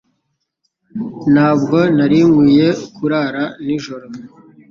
Ntabwo nari nkwiye kurara nijoro